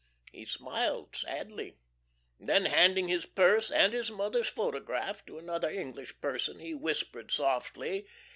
He smiled sadly then handing his purse and his mother's photograph to another English person, he whispered softly.